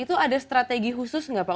itu ada strategi khusus nggak pak